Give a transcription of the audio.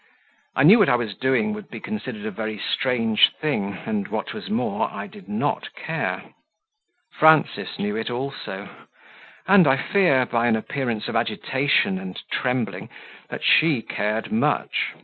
I knew what I was doing would be considered a very strange thing, and, what was more, I did not care. Frances knew it also, and, I fear, by an appearance of agitation and trembling, that she cared much.